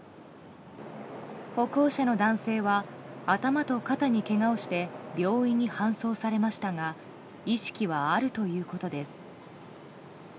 歩行者の男性は頭と肩にけがをして病院に搬送されましたが意識はあるということです。